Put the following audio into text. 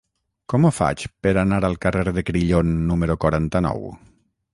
Com ho faig per anar al carrer de Crillon número quaranta-nou?